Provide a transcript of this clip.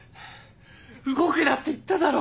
動くなって言っただろ。